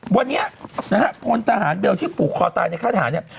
วันนี้โพลตหารเบลที่ปลูกคอตายในค่าถาม